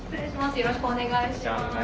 よろしくお願いします。